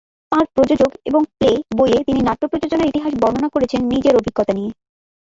তাঁর "প্রযোজক" এবং "প্লে" বইয়ে তিনি নাট্য প্রযোজনার ইতিহাস বর্ণনা করেছেন নিজের অভিজ্ঞতা নিয়ে।